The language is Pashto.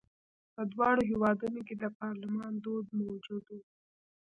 په دواړو هېوادونو کې د پارلمان دود موجود و.